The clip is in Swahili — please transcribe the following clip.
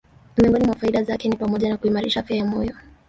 Miongoni mwa faida zake ni pamoja na kuimarisha afya ya moyo